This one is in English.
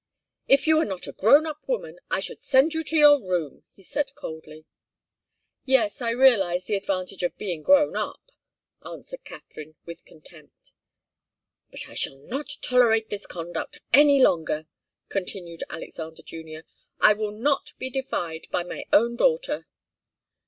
"If you were not a grown up woman, I should send you to your room," he said, coldly. "Yes, I realize the advantage of being grown up," answered Katharine, with contempt. "But I shall not tolerate this conduct any longer," continued Alexander Junior. "I will not be defied by my own daughter."